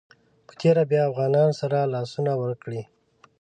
په تېره بیا افغانانو سره لاسونه ورکړي.